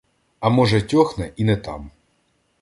А може, тьохне і не там.